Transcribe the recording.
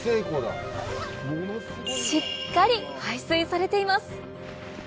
しっかり排水されています